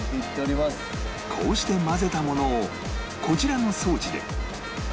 こうして混ぜたものをこちらの装置で